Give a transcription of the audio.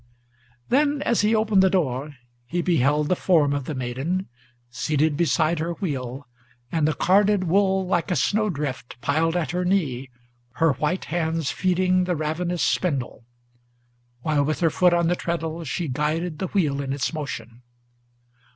Then, as he opened the door, he beheld the form of the maiden Seated beside her wheel, and the carded wool like a snow drift Piled at her knee, her white hands feeding the ravenous spindle, While with her foot on the treadle she guided the wheel in its motion.